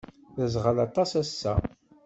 D aẓɣal aṭas ass-a.